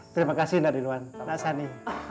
terima kasih nari dwan naksani